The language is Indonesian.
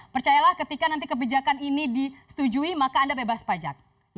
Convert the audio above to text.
percayalah ketika nanti kebijakan ini disetujui maka anda bebas pajak